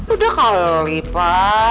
udah kali pa